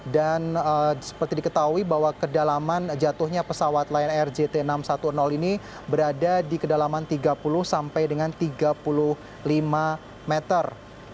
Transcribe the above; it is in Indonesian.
dan seperti diketahui bahwa kedalaman jatuhnya pesawat lion air jt enam ratus sepuluh ini berada di kedalaman tiga puluh sampai dengan tiga puluh lima meter